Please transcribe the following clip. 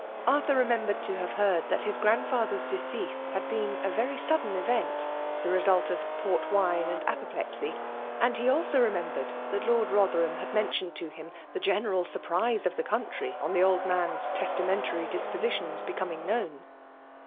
Arthur re* nfieihbered to have heard that his grandfather's debease had been a very sudden event, the d3 58 FEMALE DOMlNAtlON*. result of port wine and apoplexy ; and he al8<> remembered that Lord Botherham had men^ tioned to him the general surprise of tiie eountry on the old man's testamentary dispo sitions becoming known.